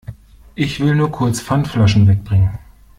Ich will nur kurz Pfandflaschen wegbringen.